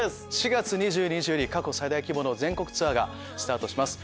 ４月２２日より過去最大規模の全国ツアーがスタートします。